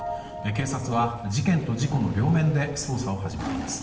警察は、事件と事故の両面で捜査を始めています。